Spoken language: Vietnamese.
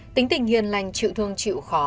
tính tình hiền lành chịu thương chịu khó